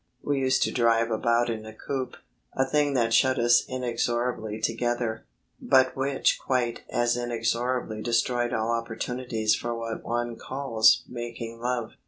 We used to drive about in a coupe, a thing that shut us inexorably together, but which quite as inexorably destroyed all opportunities for what one calls making love.